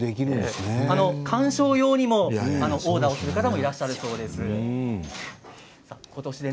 観賞用にオーダーする方もいらっしゃるということです。